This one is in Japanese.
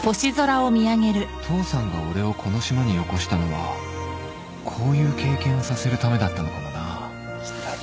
父さんが俺をこの島によこしたのはこういう経験をさせるためだったのかもなきたきたきたきたきたきた！